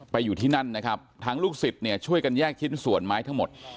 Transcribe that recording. อยู่ที่นั่นนะครับทางลูกศิษย์เนี่ยช่วยกันแยกชิ้นส่วนไม้ทั้งหมด